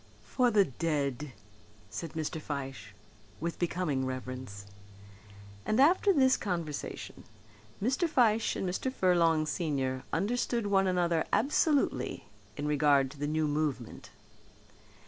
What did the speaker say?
"For the dead," said Mr. Fyshe, with becoming reverence. And after this conversation Mr. Fyshe and Mr. Furlong senior understood one another absolutely in regard to the new movement.